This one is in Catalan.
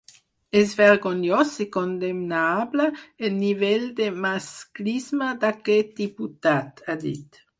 És vergonyós i condemnable el nivell de masclisme d’aquest diputat, ha dit.